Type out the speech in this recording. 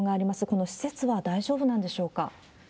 この施設は大丈夫なんでしょうか？